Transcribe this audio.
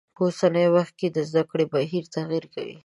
په اوسنی وخت کې د زده کړی بهیر تغیر کړی.